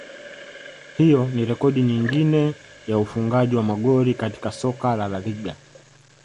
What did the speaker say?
Hiyo ni rekodi nyingine ya ufungaji wa magoli katika soka la LaLiga